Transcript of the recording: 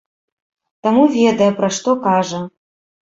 Таму ведае, пра што кажа.